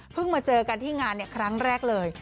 มาเจอกันที่งานครั้งแรกเลย